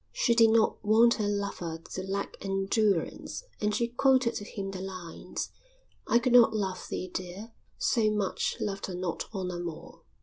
She did not want her lover to lack endurance and she quoted to him the lines: "I could not love thee, dear, so much, _Loved I not honour more."